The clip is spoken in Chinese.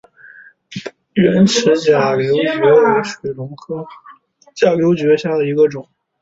圆齿假瘤蕨为水龙骨科假瘤蕨属下的一个种。